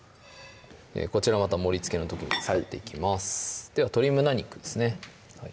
こちらまた盛りつけの時に使っていきますでは鶏胸肉ですね